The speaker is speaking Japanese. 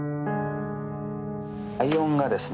ライオンがですね